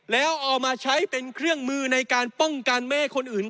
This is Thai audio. แล้วเอามาใช้เป็นเครื่องมือในการป้องกันแม่คนอื่น